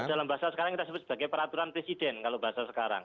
dalam bahasa sekarang kita sebut sebagai peraturan presiden kalau bahasa sekarang